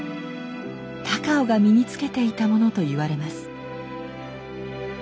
高尾が身につけていたものといわれます。